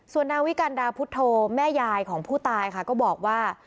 ส่วนนางวิกันดาพุทธโธแม่ยายของผู้ตายค่ะก็บอกว่า